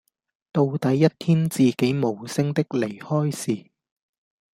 到底一天自己無聲的離開時